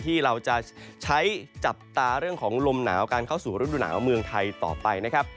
ที่เราจะใช้จับตาเรื่องของลมหนาวการเข้าสู่ฤดูหนาวเมืองไทยต่อไปนะครับ